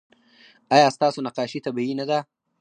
ایا ستاسو نقاشي طبیعي نه ده؟